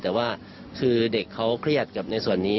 แต่ว่าคือเด็กเขาเครียดกับในส่วนนี้